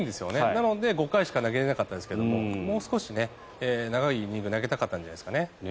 なので５回しか投げれなかったんですがもう少し長いイニングを投げたかったんじゃないですか。